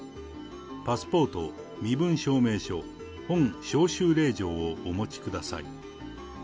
パスポート、身分証明書、本招集令状をお持ちください。